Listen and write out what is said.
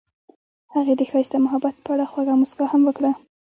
هغې د ښایسته محبت په اړه خوږه موسکا هم وکړه.